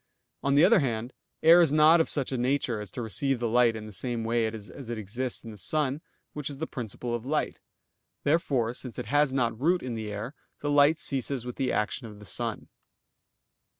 On the other hand, air is not of such a nature as to receive light in the same way as it exists in the sun, which is the principle of light. Therefore, since it has not root in the air, the light ceases with the action of the sun.